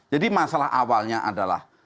jadi masalah awalnya adalah